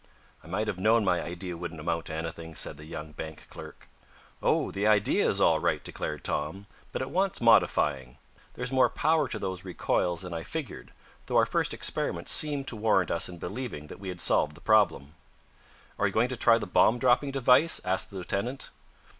"I might have known my idea wouldn't amount to anything," said the young bank clerk. "Oh, the idea is all right," declared Tom, "but it wants modifying. There is more power to those recoils than I figured, though our first experiments seemed to warrant us in believing that we had solved the problem." "Are you going to try the bomb dropping device?" asked the lieutenant.